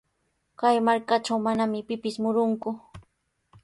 Kay markatraw manami pipis murunku.